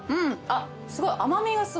あっすごい！